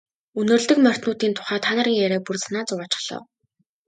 Үнэрлэдэг морьтнуудын тухай та нарын яриа бүр санаа зовоочихлоо.